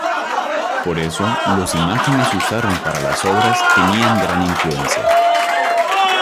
Por eso, los imágenes usaron para las obras tenían gran influencia.